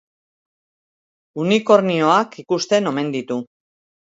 Unikornioak ikusten omen ditu.